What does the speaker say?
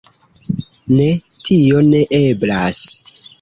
Ne, tio ne eblas.